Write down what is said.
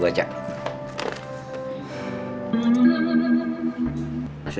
susah juga tulisan cuy